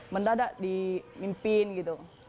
mendadak dimimpiin gitu